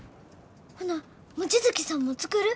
ほな望月さんも作る？